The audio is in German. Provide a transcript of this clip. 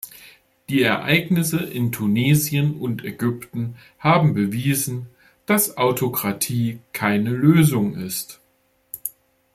Die Ereignisse in Tunesien und Ägypten haben bewiesen, dass Autokratie keine Lösung ist.